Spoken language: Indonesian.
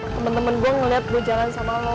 temen temen gue ngeliat gue jalan sama lo